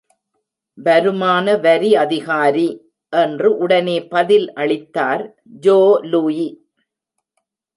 வருமான வரி அதிகாரி! என்று உடனே பதில் அளித்தார் ஜோலுயி.